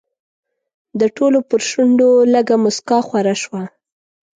د ټولو پر شونډو لږه موسکا خوره شوه.